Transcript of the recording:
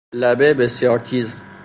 لبه بسیار تیز